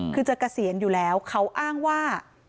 คือจะเกษียณอยู่แล้วเขาอ้างว่า